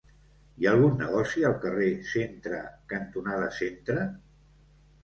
Hi ha algun negoci al carrer Centre cantonada Centre?